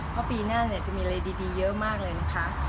เพราะปีหน้าจะมีอะไรดีเยอะมากเลยนะคะ